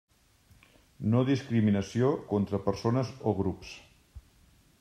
No discriminació contra persones o grups.